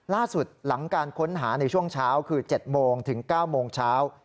หลังการค้นหาในช่วงเช้าคือ๗โมงถึง๙โมงเช้า